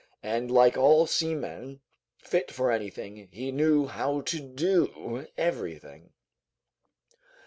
and like all seamen, fit for anything, he knew how to do everything.